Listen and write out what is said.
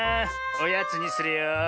おやつにするよ。